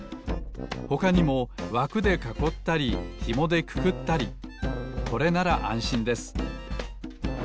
ほかにもわくでかこったりひもでくくったりこれならあんしんです。